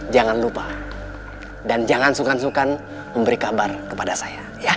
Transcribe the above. jangan lupa dan jangan sukan sukan memberi kabar kepada saya